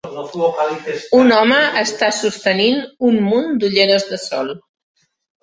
Un home està sostenint un munt d'ulleres de sol